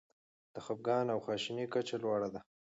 د خپګان او خواشینۍ کچه لوړه ده.